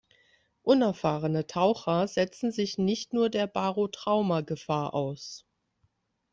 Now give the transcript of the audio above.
Unerfahrene Taucher setzten sich nicht nur der Barotrauma-Gefahr aus.